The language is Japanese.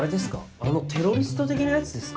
あのテロリスト的なやつですか？